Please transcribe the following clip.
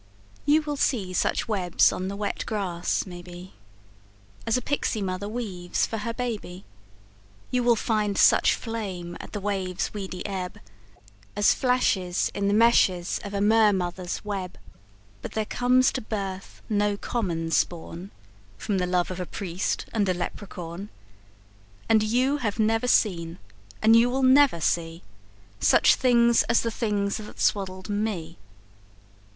You will see such webs on the wet grass, maybe, As a pixie mother weaves for her baby, You will find such flame at the wave's weedy ebb As flashes in the meshes of a mer mother's web, But there comes to birth no common spawn From the love of a priest and a leprechaun, And you never have seen and you never will see Such things as the things that swaddled me!